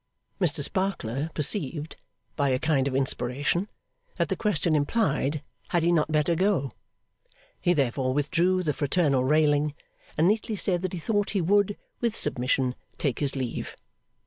Mr Sparkler perceived, by a kind of inspiration, that the question implied had he not better go? He therefore withdrew the fraternal railing, and neatly said that he thought he would, with submission, take his leave.